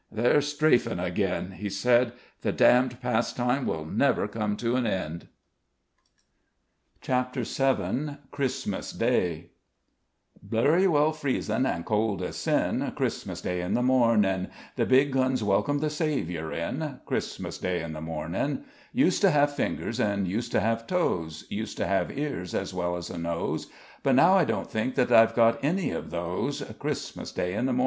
"They're strafing again," he said. "The damned pastime will never come to an end." CHAPTER VII CHRISTMAS DAY Blurry well freezin' and cold as sin, Christmas Day in the mornin'; The big guns welcome the Saviour in, Christmas Day in the mornin'; Used to have fingers and used to have toes, Used to have ears as well as a nose, But now I don't think that I've any of those Christmas Day in the mornin'.